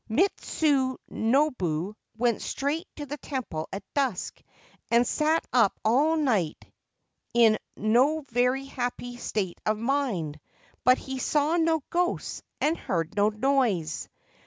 Mitsunobu went straight to the temple at dusk, and sat up all night in no very happy state of mind ; but he saw no ghosts, and heard no noise.